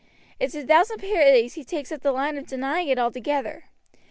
It's a thousand pities he takes up the line of denying it altogether.